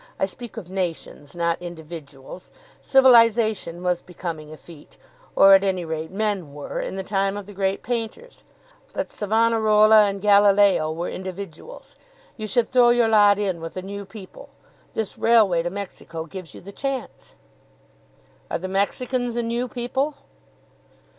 I speak of nations, not individuals. Civilisation was becoming effete, or at any rate men were, in the time of the great painters; but Savanarola and Galileo were individuals. You should throw your lot in with a new people. This railway to Mexico gives you the chance." "Are the Mexicans a new people?"